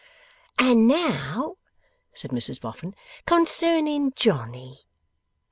'And now,' said Mrs Boffin, 'concerning Johnny.